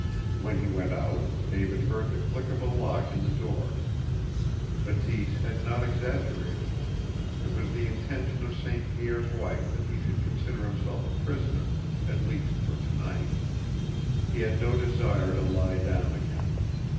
When he Went out, David heard the click of a lock in the door. Bateese had not exaggerated. It was the intention of St. Pierre's wife that he should consider himself a prisoner at least for tonight. He had no desire to lie down again.